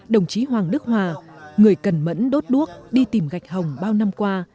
đồng chí hoàng đức hòa người cần mẫn đốt đuốc đi tìm gạch hồng bao năm qua